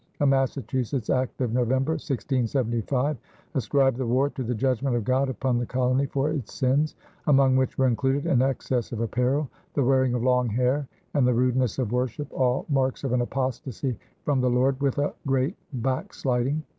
A Massachusetts act of November, 1675, ascribed the war to the judgment of God upon the colony for its sins, among which were included an excess of apparel, the wearing of long hair, and the rudeness of worship, all marks of an apostasy from the Lord "with a great backsliding."